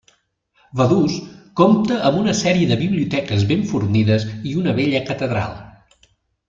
Vaduz compta amb una sèrie de biblioteques ben fornides i una bella catedral.